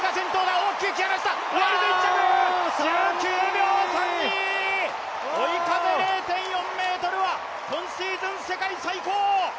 １９秒３２、追い風０．４は今シーズン世界最高！